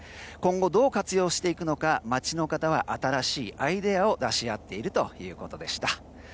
今後、どう活用していくのか町の方は新しいアイデアを出し合っているということでした。